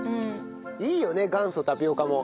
いいよね元祖タピオカも。